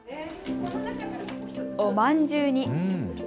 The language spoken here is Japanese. おまんじゅうに。